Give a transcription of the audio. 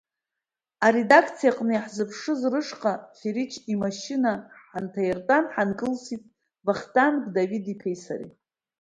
Аредакциа аҟны иаҳзыԥшыз рышҟа Фирич имашьына ҳанҭаиртәан, ҳанкылсит Вахтанг Давид-иԥеи сареи.